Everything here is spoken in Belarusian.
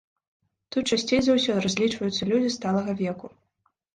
Тут часцей за ўсё разлічваюцца людзі сталага веку.